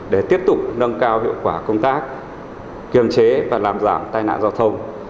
để tiếp tục nâng cao hiệu quả công tác kiềm chế và làm giảm tai nạn giao thông